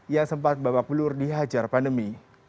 ia sempat babak belur dihajar pandemi